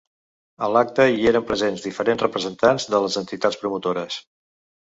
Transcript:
A l’acte hi eren presents diferents representants de les entitats promotores.